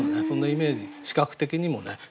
そんなイメージ視覚的にもね